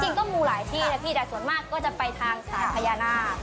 ก็มีหลายที่นะพี่แต่ส่วนมากก็จะไปทางสายพญานาค